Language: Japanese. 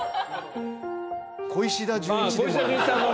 小石田純一でも。